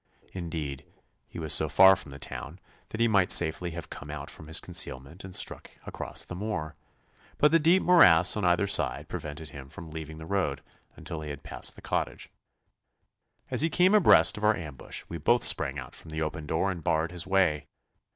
Indeed, he was so far from the town that he might safely have come out from his concealment and struck across the moor, but the deep morass on either side prevented him from leaving the road until he had passed the cottage. As he came abreast of our ambush we both sprang out from the open door and barred his way.